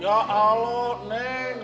ya allah neng